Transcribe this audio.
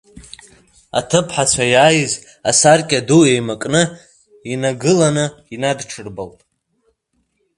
Аҭыԥҳацәа иааиз асаркьа ду еимакны инагылан, инадҽырбалт.